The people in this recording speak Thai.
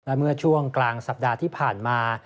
และเมื่อช่วงกลางสัปดาห์ที่ผ่านมา